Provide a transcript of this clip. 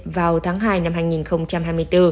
vào tháng hai năm hai nghìn hai mươi bốn